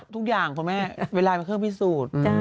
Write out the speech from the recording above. ทุกอย่างคุณแม่เวลาเป็นเครื่องพิสูจน์